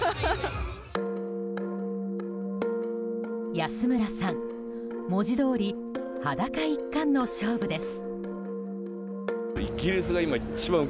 安村さん、文字どおり裸一貫の勝負です。